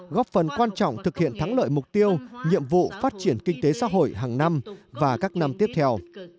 góp phần quan trọng thực hiện thắng lợi mục tiêu nhiệm vụ phát triển kinh tế xã hội hàng năm và các năm tiếp theo